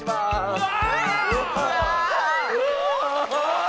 うわ！